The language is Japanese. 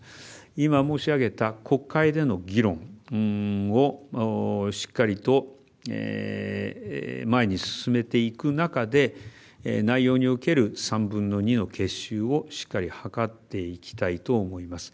今申し上げた国会での議論をしっかりと前に進めていく中で内容における３分の２の結集をしっかり図っていきたいと思います。